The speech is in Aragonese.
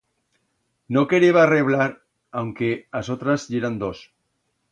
No quereba reblar, aunque as otras yeran dos.